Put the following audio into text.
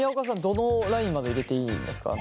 どのラインまで入れていいんですか？